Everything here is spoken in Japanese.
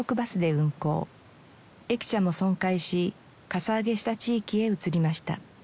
駅舎も損壊しかさ上げした地域へ移りました。